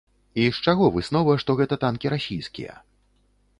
І з чаго выснова, што гэта танкі расійскія?